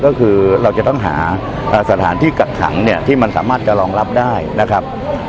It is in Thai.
ก็คือเราจะต้องหาสถานที่กักขังเนี่ยที่มันสามารถจะรองรับได้นะครับ